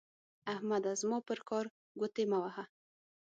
احمده زما پر کار ګوتې مه وهه.